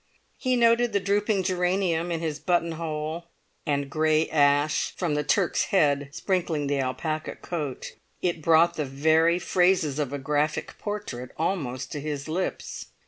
He noted the drooping geranium in his buttonhole, and grey ash from the Turk's head sprinkling the black alpaca coat. It brought the very phrases of a graphic portrait almost to his lips.